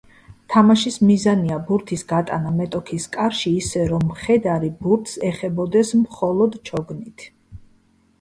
თამაშის მიზანია ბურთის გატანა მეტოქის კარში ისე, რომ მხედარი ბურთს ეხებოდეს მხოლოდ ჩოგნით.